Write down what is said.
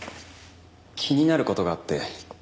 気になる事があって。